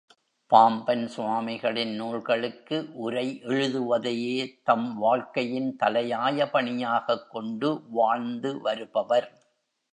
பாம்பன் சுவாமிகளின் நூல்களுக்கு உரை எழுதுவதையே தம் வாழ்க்கையின் தலையாய பணியாகக் கொண்டு வாழ்ந்து வருபவர்.